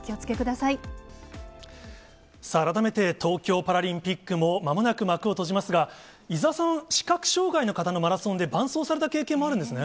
さあ、改めて東京パラリンピックもまもなく幕を閉じますが、伊沢さんは、視覚障がいの方のマラソンで、伴走された経験もあるんですね。